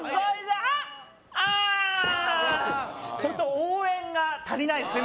あっあちょっと応援が足りないですね